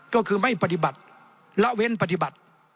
ก็คือไม่ปฏิบัติละเว้นปฏิบัติ